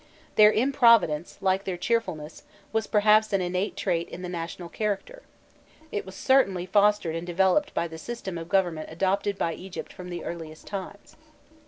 Their improvidence, like their cheerfulness, was perhaps an innate trait in the national character: it was certainly fostered and developed by the system of government adopted by Egypt from the earliest times.